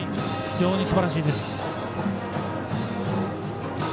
非常にすばらしいです。